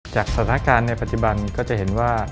จากสถานการณ์ในปัจจุบันก็จะเห็นว่า